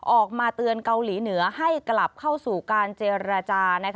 ออกมาเตือนเกาหลีเหนือให้กลับเข้าสู่การเจรจา